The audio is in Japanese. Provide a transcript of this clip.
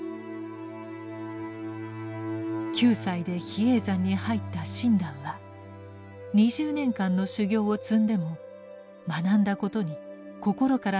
９歳で比叡山に入った親鸞は２０年間の修行を積んでも学んだことに心から納得することはできませんでした。